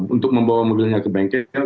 untuk membawa mobilnya ke bengkel